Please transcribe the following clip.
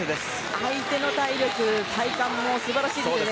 相手の体力、体幹も素晴らしいですよね。